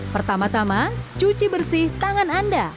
pertama tama cuci bersih tangan anda